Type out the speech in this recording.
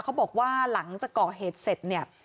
เขาบอกว่าหลังจากก่อเหตุเสร็จเนี่ย